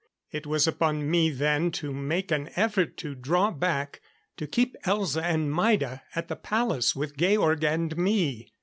It was upon me then to make an effort to draw back, to keep Elza and Maida at the palace with Georg and me.